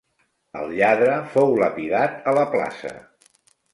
El lladre fou lapidat a la plaça.